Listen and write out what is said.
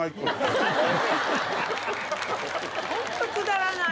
ホントくだらない。